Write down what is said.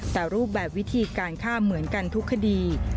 แต่รูปแบบวิธีการฆ่าเหมือนกันทุกคดี